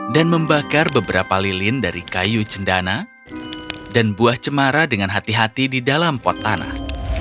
dan membakar beberapa lilin dari kayu cendana dan buah cemara dengan hati hati di dalam pot tanah